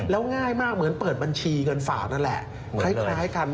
แล้วง่ายมากเหมือนเปิดบัญชีเงินฝากนั่นแหละคล้ายกัน